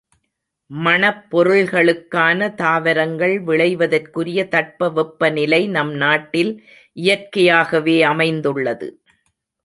மணப் பொருள்களுக்கான தாவரங்கள் விளைவதற்குரிய தட்ப வெப்பநிலை நம் நாட்டில் இயற்கையாகவே அமைந்துள்ளது.